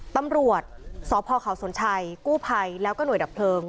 ตำรวจสพเขาสนชัยกู้ภัยแล้วก็หน่วยดับเพลิง